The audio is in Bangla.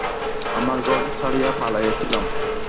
আমারা ঘর ছাড়িয়া পালাইয়াছিলাম।